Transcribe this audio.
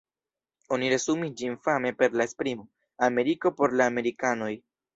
Oni resumis ĝin fame per la esprimo "Ameriko por la amerikanoj".